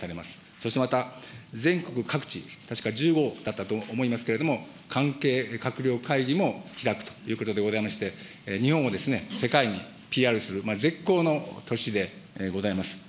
そしてまた、全国各地、確か１５だったと思いますけれども、関係閣僚会議も開くということでございまして、日本を世界にＰＲする絶好の年でございます。